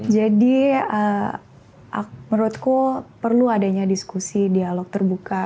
jadi menurutku perlu adanya diskusi dialog terbuka